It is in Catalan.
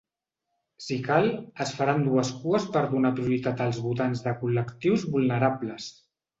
Si cal, es faran dues cues per donar prioritat als votants de col·lectius vulnerables.